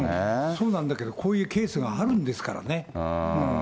そうなんだけど、こういうケースがあるんですからね。